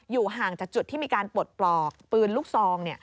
ห่างจากจุดที่มีการปลดปลอกปืนลูกซอง